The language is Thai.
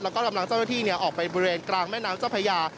แล้วก็กำลังเจ้าหน้าที่ออกไปบริเวณกลางแม่น้ำเจ้าพญา